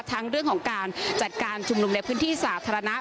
ทั้งเรื่องของการจัดการชุมนุมในพื้นที่สาธารณะ